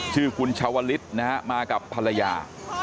ชื่อคุณชาวลิศนะฮะมากับภรรยา